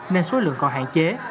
nên số lượng còn hạn chế